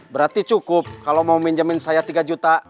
berarti cukup kalau mau minjemin saya tiga juta